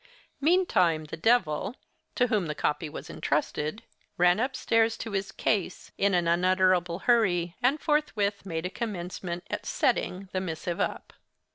Meantime the devil, to whom the copy was entrusted, ran up stairs to his 'case,' in an unutterable hurry, and forthwith made a commencement at 'setting' the MS. 'up.